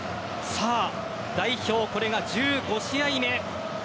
代表、これが１５試合目。